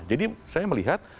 jadi saya melihat